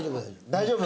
大丈夫？